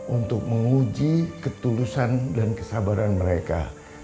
untuk menguji ketulusan dan kesabaran mereka